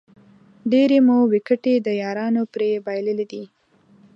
ډېرې مو وېکټې د یارانو پرې بایللې دي